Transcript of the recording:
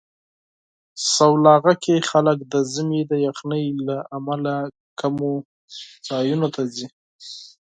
سلواغه کې خلک د ژمي د یخنۍ له امله کمو ځایونو ته ځي.